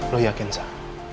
lo yakin sah